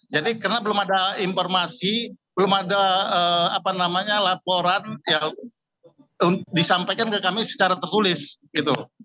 jadi karena belum ada informasi belum ada apa namanya laporan ya disampaikan ke kami secara tertulis gitu